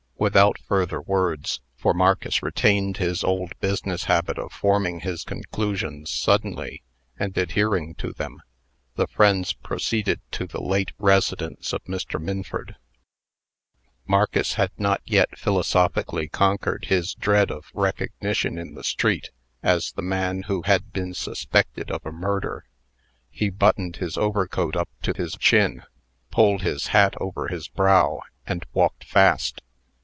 Without further words for Marcus retained his old business habit of forming his conclusions suddenly, and adhering to them the friends proceeded to the late residence of Mr. Minford. Marcus had not yet philosophically conquered his dread of recognition in the street as the man who had been suspected of a murder. He buttoned his overcoat up to his chin, pulled his hat over his brow, and walked fast.